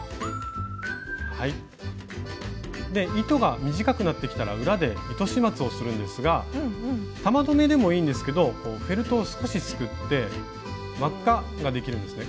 糸が短くなってきたら裏で糸始末をするんですが玉留めでもいいんですけどフェルトを少しすくって輪っかができるんですね